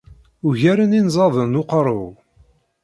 Ugaren inẓaden n uqerru-w.